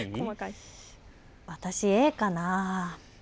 私Ａかな。